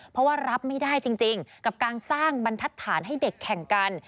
เพราะว่ารับไม่ได้จริงกับการสร้างบรรทัศน์ให้เด็กแข่งกัน